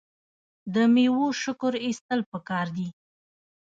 د میوو شکر ایستل پکار دي.